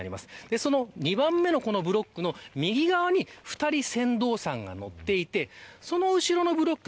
その２番目のブロックの右側に２人、船頭さんが乗っていてその後ろのブロック。